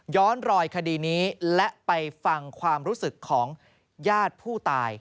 รอยคดีนี้และไปฟังความรู้สึกของญาติผู้ตาย